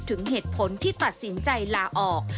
ถึงเหตุผลที่ตัดสินใจลาออก